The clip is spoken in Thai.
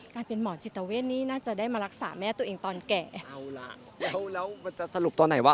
เป็นหมอจิตเวทนี่น่าจะได้มารักษาแม่ตัวเองตอนแก่เอาล่ะแล้วมันจะสรุปตอนไหนวะ